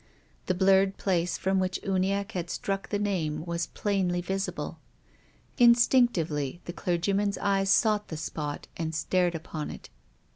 The blurred place from which Uniacke had struck the name was plainly visible. Instinctively the clergyman's eyes sought the spot and stared upon it.